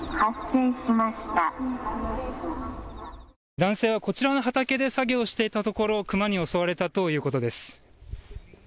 男性はこちらの畑で作業をしていたところクマに襲われたということです。